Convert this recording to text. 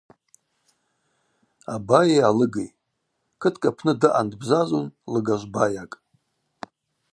Абайи алыги Кыткӏ апны даъан-дбзазун лыгажв байакӏ.